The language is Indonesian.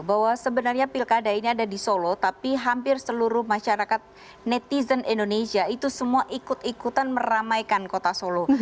bahwa sebenarnya pilkada ini ada di solo tapi hampir seluruh masyarakat netizen indonesia itu semua ikut ikutan meramaikan kota solo